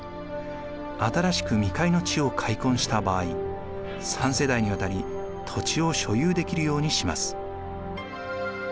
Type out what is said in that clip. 新しく未開の地を開墾した場合三世代にわたり土地を所有できるようにします。